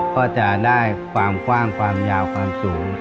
ก็จะได้ความกว้างความยาวความสูง